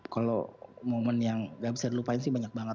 kalau momen yang gak bisa dilupain sih banyak banget